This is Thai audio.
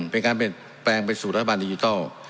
เป็นการเปลี่ยนแปลงไปสู่รัฐบาลดิจิทัล